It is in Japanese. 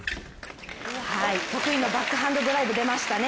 得意のバックハンドドライブ、出ましたね。